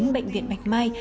bệnh viện bạch mai